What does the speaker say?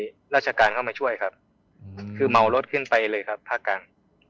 ราชการเข้ามาช่วยครับคือเมารถขึ้นไปเลยครับภาคกลาง